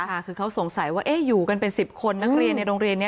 ค่ะคือเขาสงสัยว่าอยู่กันเป็น๑๐คนนักเรียนในโรงเรียนนี้